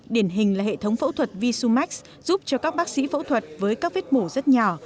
điển hình là hệ thống phẫu thuật visumax giúp cho các bác sĩ phẫu thuật với các vết mổ rất nhỏ